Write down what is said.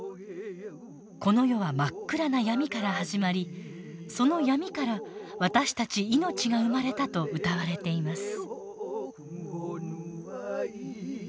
この世は真っ暗な闇から始まりその闇から私たち命が生まれたと歌われています。